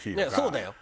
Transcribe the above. そうだよ。